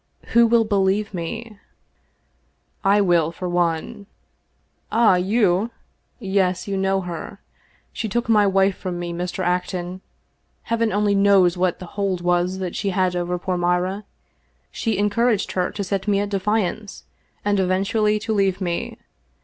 " Who will believe me ?"" I will, for one." " Ah, you ? Yes, you know her. She took my wife from me, Mr. Acton. Heaven only knows what the hold was that she had over poor Mira. She encouraged her to set me at defiance and eventually to leave me.